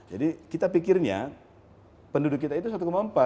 jadi kita pikirnya penduduk kita itu satu empat